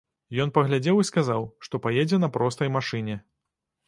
Ён паглядзеў і сказаў, што паедзе на простай машыне.